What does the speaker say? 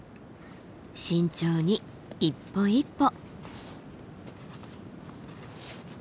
慎重に一歩一歩。